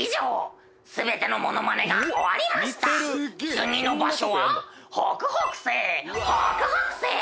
「次の場所は北北西北北西！」